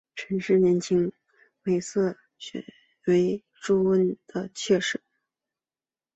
陈氏年轻时以美色选为朱温的妾室。